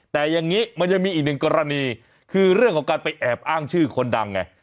แต่อย่างนี้มันยังมีอีกหนึ่งกรณีคือเรื่องของการไปแอบอ้างชื่อคนดังไง